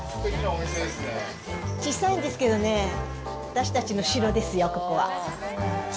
小さいんですけどね、私たちの城ですよ、ここは。